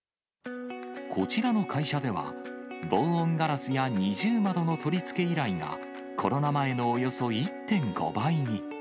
こちらの会社では、防音ガラスや二重窓の取り付け依頼が、コロナ前のおよそ１．５倍に。